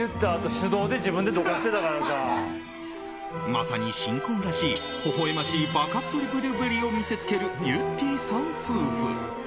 まさに新婚らしいほほ笑ましいバカップルぶりを見せつけるゆってぃさん夫婦。